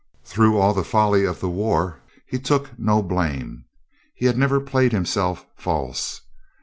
Through all the folly of the war he took no blame. He had never played him self false.